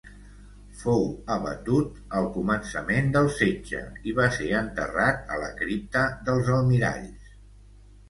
Fou abatut al començament del setge i va ser enterrat a la Cripta dels Almiralls.